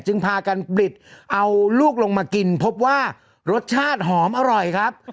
พากันบริดเอาลูกลงมากินพบว่ารสชาติหอมอร่อยครับ